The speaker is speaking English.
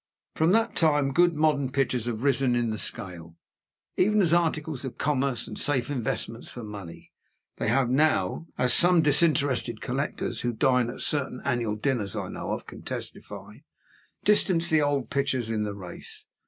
From that time good modern pictures have risen in the scale. Even as articles of commerce and safe investments for money, they have now (as some disinterested collectors who dine at certain annual dinners I know of, can testify) distanced the old pictures in the race.